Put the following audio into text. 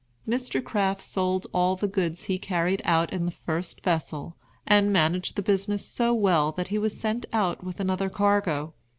Mr. Crafts sold all the goods he carried out in the first vessel, and managed the business so well that he was sent out with another cargo.